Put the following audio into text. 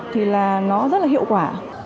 thì là nó rất là hiệu quả